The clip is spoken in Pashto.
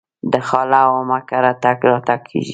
د خاله او عمه کره تګ راتګ کیږي.